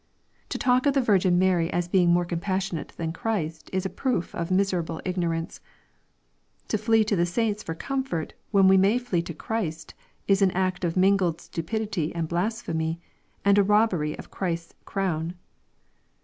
To talk of the Virgin Mary as being more compassionate than Christ is a proof of miserable ignorance. To flee to the saints for comfort, when we may flee to Christ, is an act of mingled stupidity and blasphemy, and a robbery of Christ's crown.